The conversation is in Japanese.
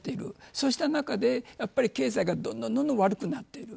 そうした中で、経済がどんどん、どんどん悪くなっている。